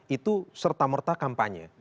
itu serta merta kampanye